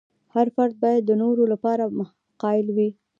هر فرد باید د نورو لپاره هم قایل وي.